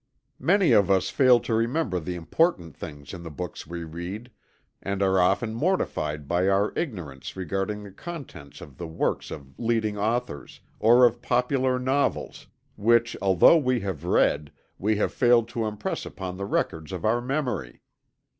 Many of us fail to remember the important things in the books we read, and are often mortified by our ignorance regarding the contents of the works of leading authors, or of popular novels, which although we have read, we have failed to impress upon the records of our memory.